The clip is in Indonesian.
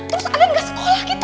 terus anand gak sekolah gitu